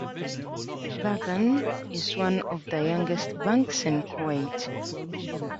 Burgan is one of the youngest banks in Kuwait.